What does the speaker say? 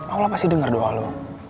allah pasti dengar doa lo